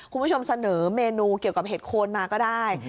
คุณผู้ชมเสนอเมนูเกี่ยวกับเห็ดโคนมาก็ได้